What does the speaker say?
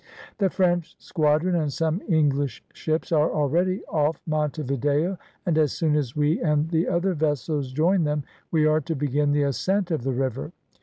"The French squadron and some English ships are already off Monte Video, and as soon as we and the other vessels join them we are to begin the ascent of the river.